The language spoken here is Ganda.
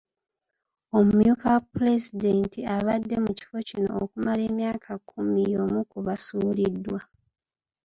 Omumyuka wa Pulezidenti abadde mu kifo kino okumala emyaka kkumi y’omu ku basuuliddwa.